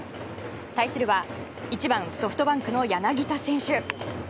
対するは１番、ソフトバンクの柳田選手。